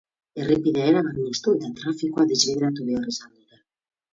Errepidea erabat moztu eta trafikoa desbideratu behar izan dute.